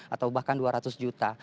atau bahkan dua ratus juta